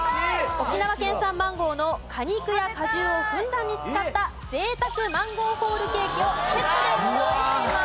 沖縄県産マンゴーの果肉や果汁をふんだんに使った贅沢マンゴーホールケーキをセットでご用意しています。